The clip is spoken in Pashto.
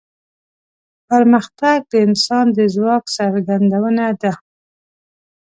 پرمختګ د انسان د ځواک څرګندونه ده.